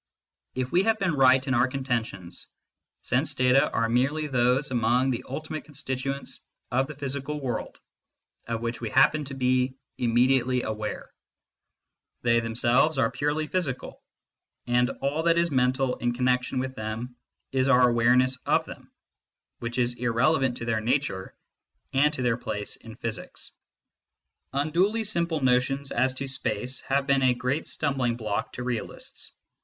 If we have been right in our contentions, sense data are merely those among the ultimate constituents of the physical world, of which we happen to be immediately aware ; they themselves are purely physical, and all that is mental in connection with them is our awareness of them, which is irrelevant to their nature and to their place in physics. Unduly simple notions as to space have been a great stumbling block to realists.